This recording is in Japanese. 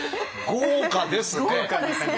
豪華ですね！